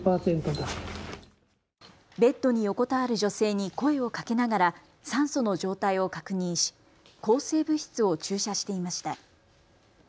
ベッドに横たわる女性に声をかけながら酸素の状態を確認し抗生物質を注射していました。